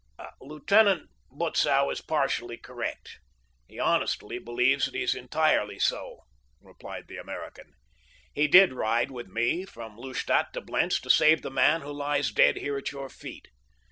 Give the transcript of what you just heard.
"Lieutenant Butzow is partially correct—he honestly believes that he is entirely so," replied the American. "He did ride with me from Lustadt to Blentz to save the man who lies dead here at your feet.